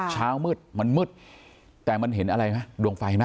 เช้ามืดมันมืดแต่มันเห็นอะไรไหมดวงไฟไหม